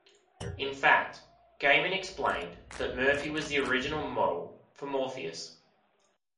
In fact, Gaiman explained that Murphy was the original model for Morpheus.